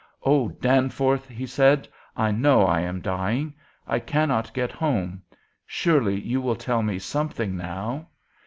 "'O Captain,' he said, 'I know I am dying. I cannot get home. Surely you will tell me something now?